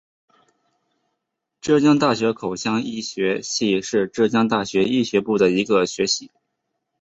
浙江大学口腔医学系是浙江大学医学部的一个学系。